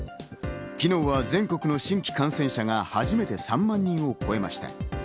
昨日は全国の新規感染者が初めて３万人を超えました。